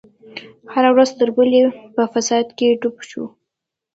هره ورځ تر بلې په فساد کې ډوب شو.